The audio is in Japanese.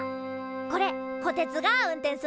これこてつが運転すんのな。